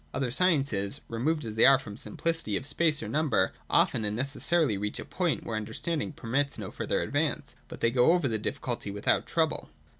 Other sciences, removed as they are from the simplicity of space or number, often and necessarily reach a point where understanding permits no further advance : but they get over the difficulty without trouble.